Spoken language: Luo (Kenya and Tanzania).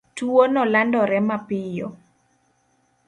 Tuwono landore mapiyo.